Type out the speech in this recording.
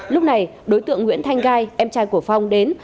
lúc này đối tượng nguyễn thanh gai em trai của phong đến